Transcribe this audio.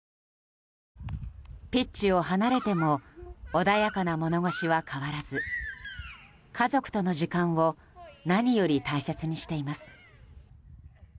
ピッチを離れても穏やかな物腰は変わらず家族との時間を何より大切にしています。